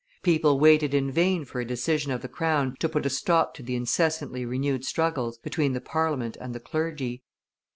People waited in vain for a decision of the crown to put a stop to the incessantly renewed struggles between the Parliament and the clergy.